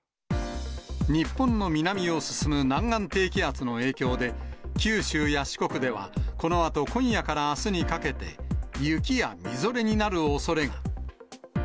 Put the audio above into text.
日本の南を進む南岸低気圧の影響で、九州や四国では、このあと今夜からあすにかけて、雪やみぞれになるおそれが。